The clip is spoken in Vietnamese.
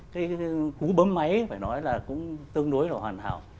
cái cú bấm máy phải nói là cũng tương đối là hoàn hảo